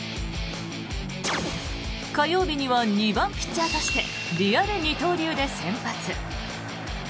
火曜日には２番ピッチャーとしてリアル二刀流で先発。